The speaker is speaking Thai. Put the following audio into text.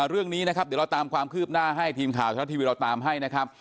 เรื่องนี้นะครับเดี๋ยวเราตามความคืบหน้าให้ทีมข่าวชะละทีวีเราตามให้นะครับ